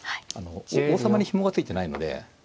王様にひもが付いてないので。